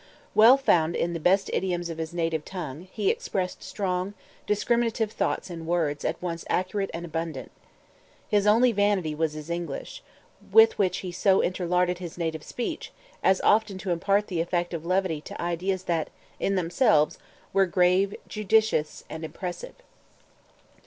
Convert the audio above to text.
Well found in the best idioms of his native tongue, he expressed strong, discriminative thoughts in words at once accurate and abundant. His only vanity was his English, with which he so interlarded his native speech, as often to impart the effect of levity to ideas that, in themselves, were grave, judicious, and impressive.